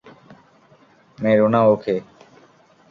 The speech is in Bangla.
মেরো না ওকে।